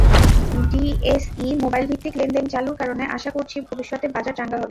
DSE মোবাইলভিত্তিক লেনদেন চালুর কারণে আশা করছি ভবিষ্যতে বাজার চাঙা হবে।